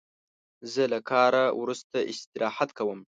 زه له کاره وروسته استراحت کوم.